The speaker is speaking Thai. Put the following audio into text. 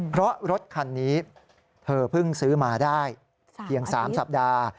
เพราะรถคันนี้เธอเพิ่งซื้อมาได้เพียง๓สัปดาห์